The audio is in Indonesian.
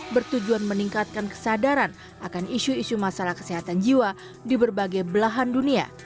bertujuan meningkatkan kesadaran akan isu isu masalah kesehatan jiwa di berbagai belahan dunia